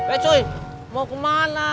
eh cuy mau kemana